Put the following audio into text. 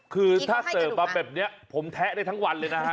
คือถ้าเสิร์ฟมาแบบนี้ผมแทะได้ทั้งวันเลยนะฮะ